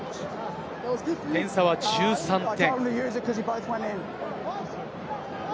点差は１３点。